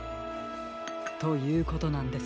ということなんです。